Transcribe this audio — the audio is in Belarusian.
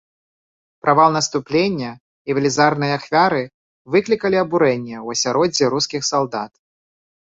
Правал наступлення і велізарныя ахвяры выклікалі абурэнне ў асяроддзі рускіх салдат.